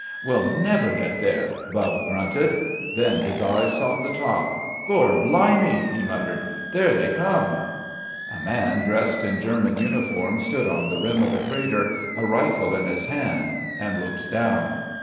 "We'll never get there," Bubb grunted. Then his eyes sought the top. "Gor' blimey!" he muttered, "there they come." A man, dressed in German uniform, stood on the rim of the crater, a rifle in his hand, and looked down.